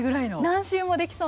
何周もできそうな。